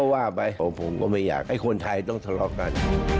ว่าไปผมก็ไม่อยากให้คนไทยต้องทะเลาะกัน